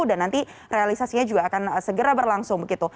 dan nanti realisasinya juga akan segera berlangsung